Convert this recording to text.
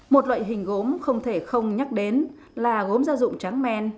một loại hình gốm không thể không nhắc đến là gốm gia dụng trắng men